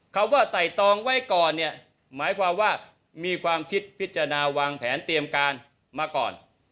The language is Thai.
คำว่าไต่ตองไว้ก่อนเนี่ยหมายความว่ามีความคิดพิจารณาวางแผนเตรียมการมาก่อน